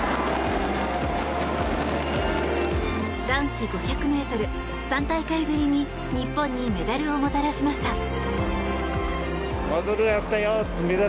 男子５００ｍ、３大会ぶりに日本にメダルをもたらしました。